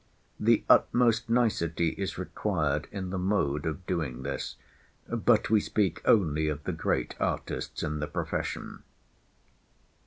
The utmost nicety is required in the mode of doing this; but we speak only of the great artists in the profession.